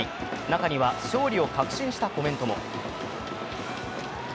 中には勝利を確信したコメントも。